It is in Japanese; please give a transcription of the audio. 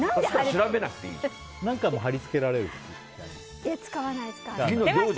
何回も貼り付けられるし。